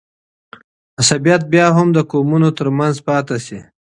عصبیت به بیا هم د قومونو ترمنځ پاته سي.